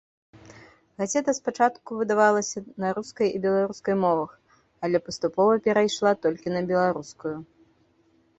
Газета спачатку выдавалася на рускай і беларускай мовах, але паступова перайшла толькі на беларускую.